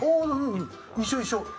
一緒一緒！